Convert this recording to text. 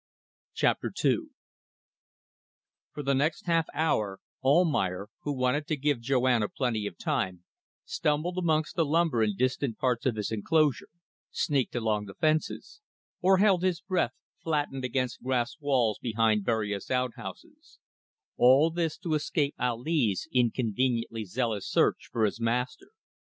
CHAPTER TWO For the next half hour Almayer, who wanted to give Joanna plenty of time, stumbled amongst the lumber in distant parts of his enclosure, sneaked along the fences; or held his breath, flattened against grass walls behind various outhouses: all this to escape Ali's inconveniently zealous search for his master.